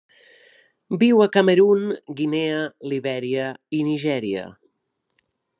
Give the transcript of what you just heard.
Viu a Camerun, Guinea, Libèria i Nigèria.